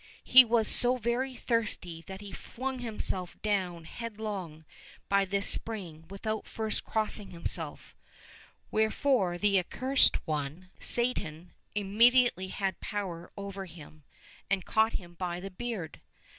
He was so very thirsty that he flung himself down headlong by this spring without first crossing himself, wherefore that Accursed One, Satan, imme diately had power over him, and caught him by the beard.